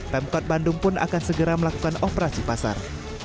pemkot bandung pun akan segera melakukan operasi pasar